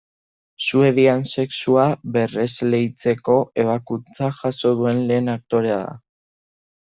Suedian sexua berresleitzeko ebakuntza jaso duen lehen aktorea da.